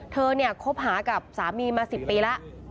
เธอเนี่ยคบหากับสามีมา๑๐ปีแล้ว